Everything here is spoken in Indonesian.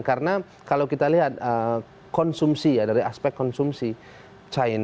karena kalau kita lihat konsumsi ya dari aspek konsumsi